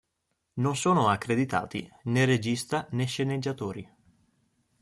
Non sono accreditati né regista né sceneggiatori.